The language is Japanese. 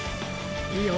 いいよ